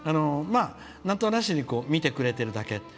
なんとなしに見てくれてるだけ。